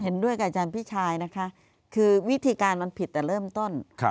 เห็นด้วยกับอาจารย์พี่ชายนะคะคือวิธีการมันผิดแต่เริ่มต้น